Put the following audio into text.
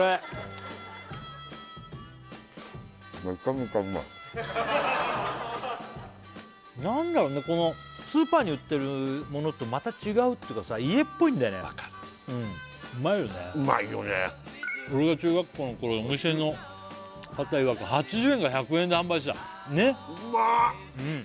もう何だろうねスーパーに売ってるものとまた違うっていうかさ家っぽいんだよねわかるうまいよねうまいよね俺が中学校の頃お店の方いわく８０円から１００円で販売してたねっうんうまっ！